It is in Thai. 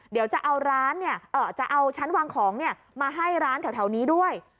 เดี๋ยวจะเอาร้านจะเอาชั้นวางของมาให้ร้านแถวนี้ด้วย